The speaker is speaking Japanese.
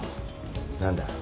何だ？